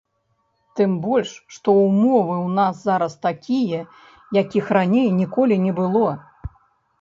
Тым больш што ў мовы ў нас зараз такія, якіх раней ніколі не было.